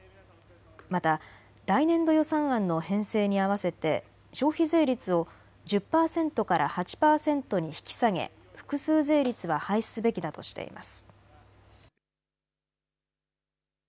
また来年度予算案の編成に合わせて消費税率を１０％から８％に引き下げ複数税率は廃止すべきだとしています。